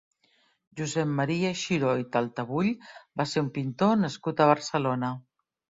Josep Maria Xiró i Taltabull va ser un pintor nascut a Barcelona.